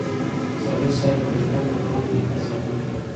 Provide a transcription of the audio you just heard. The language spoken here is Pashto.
پسرلي صاحب په رښتیا هم د قلم د عفت ساتنه کړې ده.